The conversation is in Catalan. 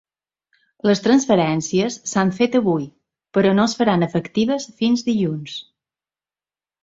Les transferències s’han fet avui, però no es faran efectives fins dilluns.